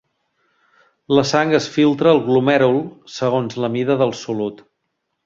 La sang es filtra al glomèrul segons la mida del solut.